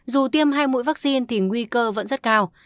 dù tiêm hai mũi vaccine thì nguy cơ vẫn rất cao